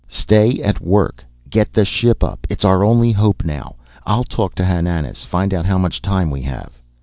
"Stay at work! Get the ship up, it's our only hope now. I'll talk to Hananas, find out how much time we have."